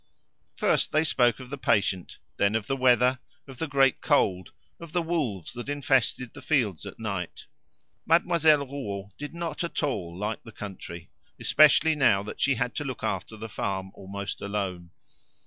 First they spoke of the patient, then of the weather, of the great cold, of the wolves that infested the fields at night. Mademoiselle Rouault did not at all like the country, especially now that she had to look after the farm almost alone.